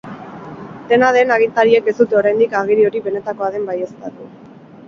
Dena den, agintariek ez dute oraindik agiri hori benetakoa den baieztatu.